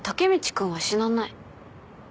君は死なない。